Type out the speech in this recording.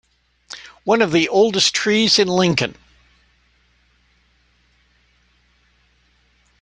One of the oldest trees in Lincoln.